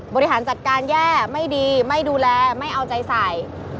บริหารจัดการแย่ไม่ดีไม่ดูแลไม่เอาใจใส่